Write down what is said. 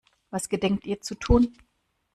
Was gedenkt ihr zu tun?